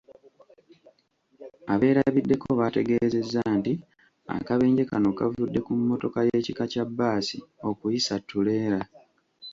Abeerabiddeko bategeezezza nti akabenje kano kavudde ku mmotoka y'ekika kya bbaasi okuyisa ttuleera